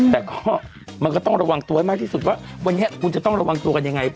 แต่ก็มันก็ต้องระวังตัวให้มากที่สุดว่าวันนี้คุณจะต้องระวังตัวกันยังไง